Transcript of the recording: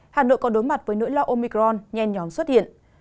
hà nội còn đối mặt với nỗi lo omicron nhen nhóm xuất hiện